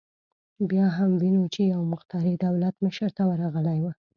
بیا هم وینو چې یو مخترع دولت مشر ته ورغلی و